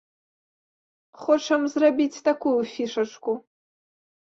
Хочам зрабіць такую фішачку.